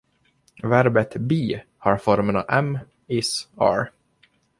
Verbet "be" har formerna "am", "is", "are".